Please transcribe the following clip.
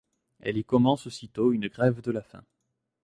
Elle y commence aussitôt une grève de la faim.